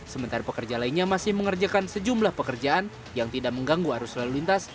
sementara pekerja lainnya masih mengerjakan sejumlah pekerjaan yang tidak mengganggu arus lalu lintas